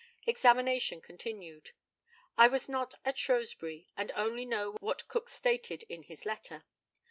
Examination continued: I was not at Shrewsbury, and only know what Cook stated in his letter.